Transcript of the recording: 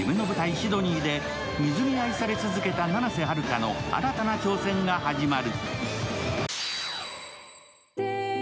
シドニーで、水に愛され続けた七瀬遙の新たな挑戦が始まる。